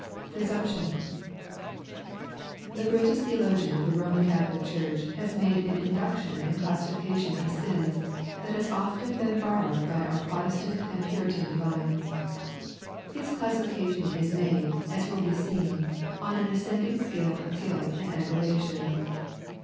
PRESUMPTION The greatest theologian of the Roman Catholic Church has made an induction and classification of sins that has often been borrowed by our Protestant and Puritan divines. His classification is made, as will be seen, on an ascending scale of guilt and aggravation.